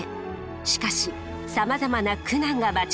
しかしさまざまな苦難が待ち構えています。